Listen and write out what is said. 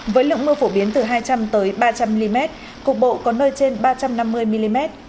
với lượng mưa phổ biến từ hai trăm linh ba trăm linh mm cục bộ có nơi trên ba trăm năm mươi mm